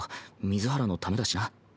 水原のためだしな。